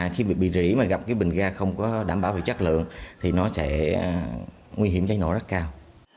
khi bị rỉ mà gặp cái bình ga không có đảm bảo về chất lượng thì nó sẽ nguy hiểm cháy nổ rất cao